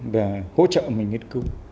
và hỗ trợ mình nghiên cứu